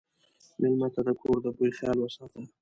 مېلمه ته د کور د بوي خیال وساته.